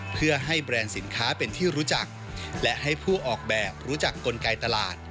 เพื่อให้แบรนด์สินค้าเป็นที่รู้จักและให้ผู้ออกแบบรู้จักกลไกตลาด